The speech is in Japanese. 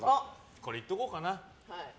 これいっとこうかな。